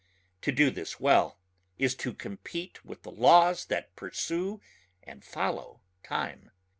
To do this well is to compete with the laws that pursue and follow time.